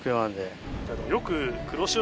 よく。